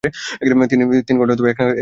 তিন ঘন্টা একনাগাড়ে কাজ করলাম।